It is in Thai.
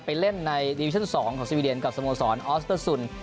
ไปเล่นในดิวิชั่น๒ของสวีเดนกับสโมสรอออสเตอร์สุน